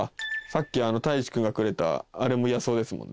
さっきたいちくんがくれたあれも野草ですもんね。